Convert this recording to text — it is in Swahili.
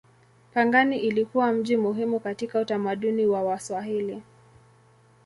Pangani ilikuwa mji muhimu katika utamaduni wa Waswahili.